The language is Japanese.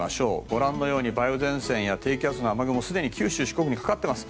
ご覧のように梅雨前線や低気圧の雨雲がすでに九州・四国にかかってます。